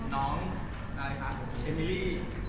น้องอะไรคะเชมมี่